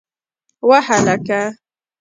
وه هلکه!